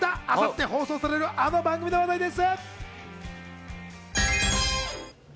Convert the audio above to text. あさって放送される、あの番組の話題です。